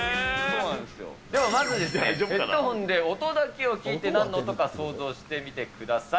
ではまずヘッドホンで音だけを聞いて、なんの音か想像してみてください。